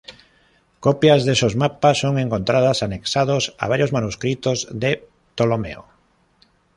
Copias de esos mapas son encontrados anexados a varios manuscritos de Ptolomeo.